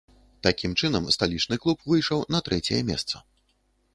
Такім чынам, сталічны клуб выйшаў на трэцяе месца.